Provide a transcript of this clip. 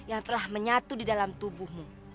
yang telah menyatu di dalam tubuhmu